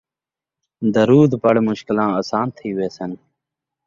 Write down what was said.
درود پڑھ مشکلاں آسان تھی ویسن